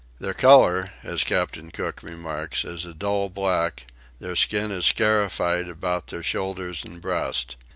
Their colour, as Captain Cook remarks, is a dull black: their skin is scarified about their shoulders and breast.